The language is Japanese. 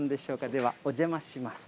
では、お邪魔します。